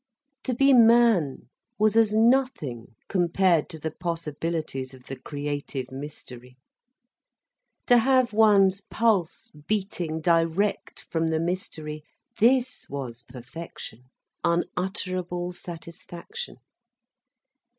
To be man was as nothing compared to the possibilities of the creative mystery. To have one's pulse beating direct from the mystery, this was perfection, unutterable satisfaction.